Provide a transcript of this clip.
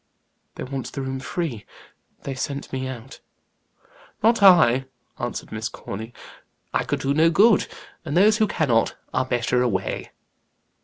"They want the room free; they sent me out." "Not I," answered Miss Corny. "I could do no good; and those who cannot, are better away."